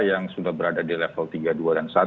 yang sudah berada di level tiga dua dan satu